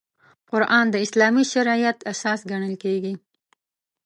قران د اسلامي شریعت اساس ګڼل کېږي.